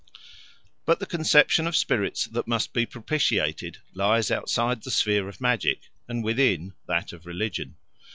But the conception of spirits that must be propitiated lies outside the sphere of magic, and within that of religion.